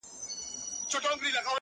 د سړي په دې وینا قاضي حیران سو,